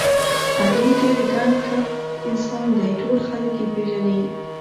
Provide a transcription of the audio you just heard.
علي ډېر ګنډ کپ انسان دی، ټول خلک یې پېژني.